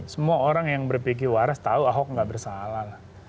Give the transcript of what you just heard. semua orang yang berpikir waras tahu ahok nggak bersalah